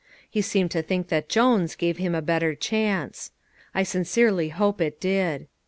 He seemed to think that Jones gave him a better chance. I sincerely hope it did.